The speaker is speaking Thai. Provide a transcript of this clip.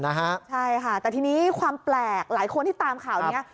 ใช่ค่ะแต่ทีนี้ความแปลกหลายคนที่ตามข่าวนี้